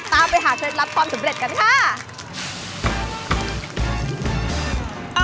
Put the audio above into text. ตามไปหาเคล็ดลับความสำเร็จกันค่ะ